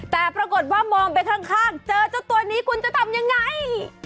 แต่ปรากฏว่ามองไปข้างเจอเจ้าตัวนี้คุณจะทำยังไง